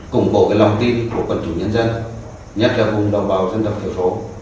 củng bổ lòng tin của quân chủ nhân dân nhất là vùng đồng bào dân tộc thiểu số